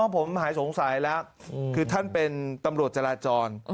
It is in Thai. ผมหายสงสัยแล้วคือท่านเป็นตำรวจจราจร